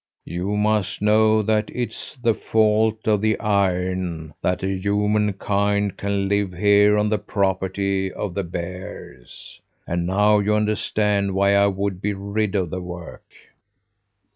You must know that it's the fault of the iron that the human kind can live here on the property of the bears. And now you understand why I would be rid of the work."